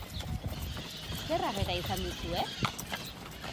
Zer harrera izan duzue?